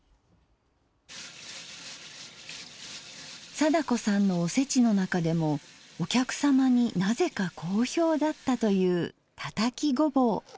貞子さんのおせちの中でもお客様になぜか好評だったというたたきごぼう。